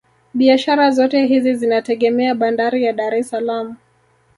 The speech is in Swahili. Biashara zote hizi zinategemea bandari ya Dar es salaam